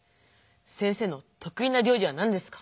先生のとくいな料理は何ですか？